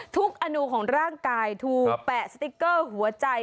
อนูของร่างกายถูกแปะสติ๊กเกอร์หัวใจ